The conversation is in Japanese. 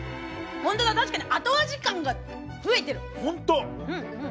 確かに後味感が増えてる。